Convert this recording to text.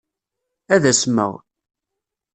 Ad asmeɣ.